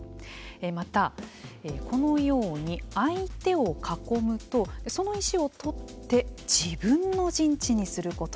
またこのように相手を囲むとその石を取って自分の陣地にすることができます。